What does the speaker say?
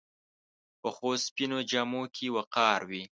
پخو سپینو جامو کې وقار وي